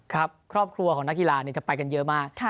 ครับครอบครัวของนักกีฬาจะไปกันเยอะมาก